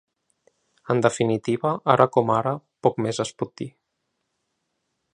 En definitiva, ara com ara, poc més es pot dir.